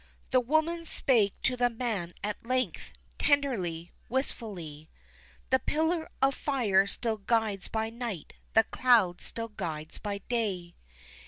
The woman spake to the man at length, tenderly, wistfully, "The pillar of fire still guides by night, the cloud still guides by day.